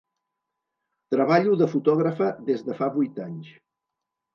Treballo de fotògrafa des de fa vuit anys.